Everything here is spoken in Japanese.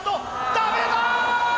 ダメだ！